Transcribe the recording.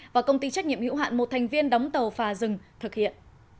và công ty trách nhiệm hữu hạn một thành viên đóng tàu phà rừng thực hiện